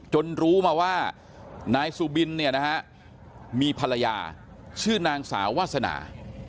จนรู้มาว่านายสุบินมีภรรยาชื่อนางสาววาสนา